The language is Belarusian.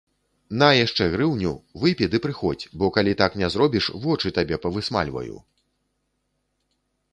На яшчэ грыўню, выпі ды прыходзь, бо калі так не зробіш, вочы табе павысмальваю.